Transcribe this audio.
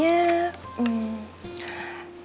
yang ini cocok deh